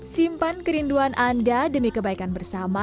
simpan kerinduan anda demi kebaikan bersama